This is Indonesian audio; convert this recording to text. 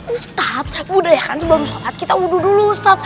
ustad budaya kan sebelum sholat kita uduh dulu ustad